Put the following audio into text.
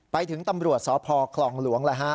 ไปถึงตำรวจสภคลองหลวงแล้วฮะ